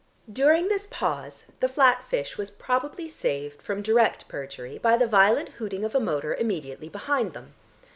During this pause the flat fish was probably saved from direct perjury by the violent hooting of a motor immediately behind them.